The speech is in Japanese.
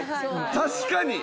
確かに！